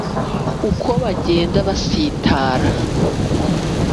uko bagenda basitara